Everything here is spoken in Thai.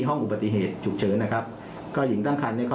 ห้องอุบัติเหตุจุเฉินนะครับก็หญิงตั้งคัน